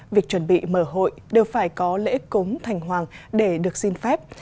việc chuẩn bị mở hội đều phải có lễ cúng thành hoàng để được xin phép